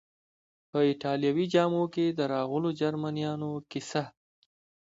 په ایټالوي جامو کې د راغلو جرمنیانو کیسه.